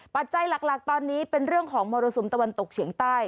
ปัจจัยหลักตอนนี้เป็นเรื่องของมรสุมตะวันตกเฉียงใต้